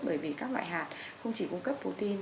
bởi vì các loại hạt không chỉ cung cấp putin